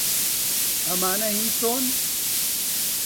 ئەمانە هیی تۆن؟